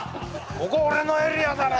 ここは俺のエリアだろ！」